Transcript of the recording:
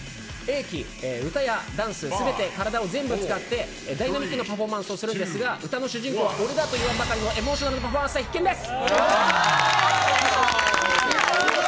歌やダンス、すべて体を全部使ってダイナミックなダンスをするんですが歌の主人公は俺だと言わんばかりのエモーショナルなパフォーマンスは必見です！